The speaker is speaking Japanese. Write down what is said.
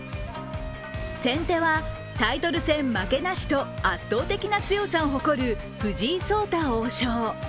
先手は、タイトル戦負けなしと圧倒的な強さを誇る藤井聡太王将。